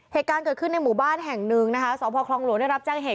เหตุการณ์เกิดขึ้นในหมู่บ้านแห่งหนึ่งนะคะสพคลองหลวงได้รับแจ้งเหตุ